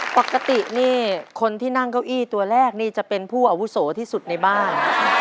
ปกตินี่คนที่นั่งเก้าอี้ตัวแรกนี่จะเป็นผู้อาวุโสที่สุดในบ้าน